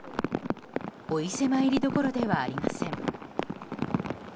お伊勢参りどころではありません。